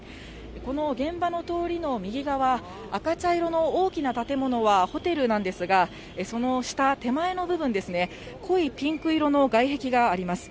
この現場の通りの右側、赤茶色の大きな建物はホテルなんですが、その下、手前の部分ですね、濃いピンク色の外壁があります。